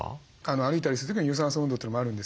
歩いたりする時の有酸素運動というのもあるんですけど